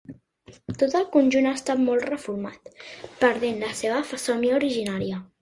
Tot el conjunt ha estat molt reformat, perdent la seva fesomia originària.